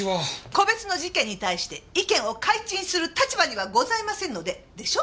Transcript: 「個別の事件に対して意見を開陳する立場にはございませんので」でしょ？